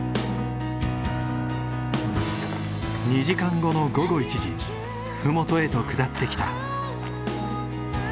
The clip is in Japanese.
２時間後の午後１時麓へと下ってきた。